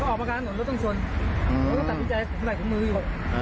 เขาออกมาการหน่วงรถต้องชนอืมต้องตัดพิจัยตัวใบของมืออยู่